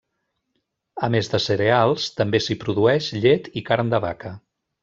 A més de cereals, també s'hi produeix llet i carn de vaca.